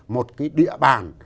một cái địa bàn